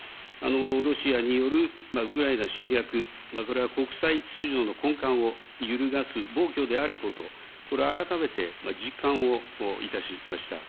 ロシアによるウクライナ侵略、これは国際秩序の根幹を揺るがす暴挙であること、これを改めて実感をいたしました。